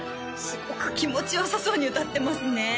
すごく気持ちよさそうに歌ってますね